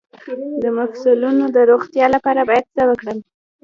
د مفصلونو د روغتیا لپاره باید څه وکړم؟